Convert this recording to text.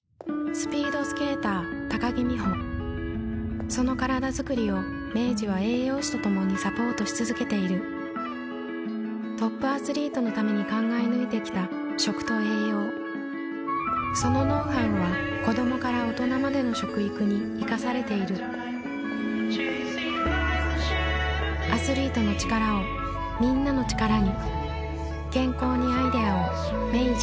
スピードスケーター木美帆そのカラダづくりを明治は栄養士と共にサポートし続けているトップアスリートのために考え抜いてきた食と栄養そのノウハウは子どもから大人までの食育に生かされているアスリートの力をみんなの力に健康にアイデアを明治